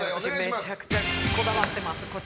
めちゃくちゃこだわってます。